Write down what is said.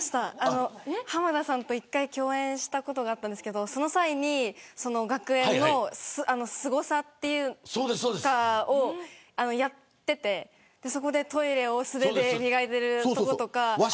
浜田さんと１回共演したことがありましたけどその際に学園のすごさとかをやっていてそれでトイレを素手で磨いているところとか。